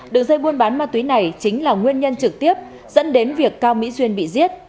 đường dây buôn bán ma túy này chính là nguyên nhân trực tiếp dẫn đến việc cao mỹ duyên bị giết